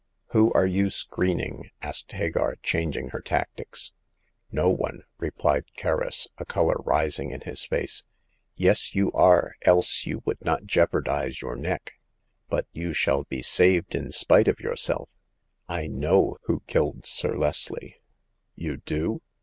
Who are you screening?" asked Hagar, changing her tactics. '* No one," replied Kerris, a color rising in his face. Yes, you are, else you would not jeopardize your neck. But you shall be saved in spite of yourself. I know who killed Sir Leslie." " You do